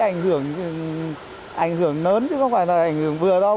nó sẽ ảnh hưởng lớn chứ không phải là ảnh hưởng vừa đâu